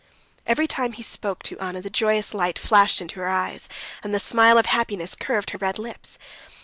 Every time he spoke to Anna the joyous light flashed into her eyes, and the smile of happiness curved her red lips.